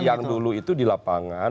yang dulu itu di lapangan